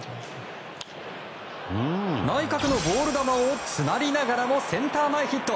内角のボール球を詰まりながらもセンター前ヒット。